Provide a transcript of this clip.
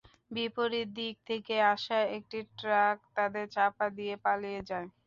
বিপরীত দিক থেকে আসা একটি ট্রাক তাঁদের চাপা দিয়ে পালিয়ে যায়।